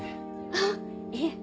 あっいえ。